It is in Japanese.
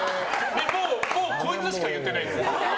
もう、こいつしか言ってないです。